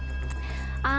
あ！